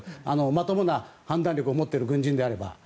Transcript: まともな判断力を持っている軍人であれば。